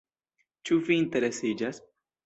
Ĉu vi interesiĝas?